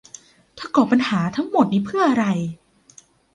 เธอก่อปัญหาทั้งหมดนี้เพื่ออะไร